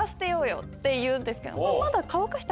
って言うんですけど。